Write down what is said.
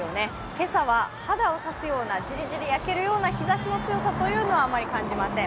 今朝は肌を刺すようなジリジリ焼けるような日ざしの強さはあまり感じません。